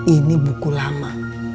ini buku lama